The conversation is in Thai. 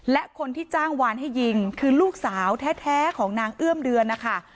และคนที่จ้างวานให้ยิงคือลูกสาวแท้ของนางเอื้อมเดือนนะคะ